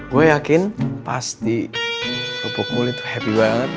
gue yakin pasti kerupuk kulit tuh happy banget